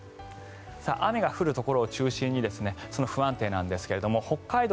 雨が降るところを中心に不安定なんですが北海道